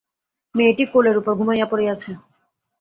মেয়েটি কোলের উপর ঘুমাইয়া পড়িয়াছে।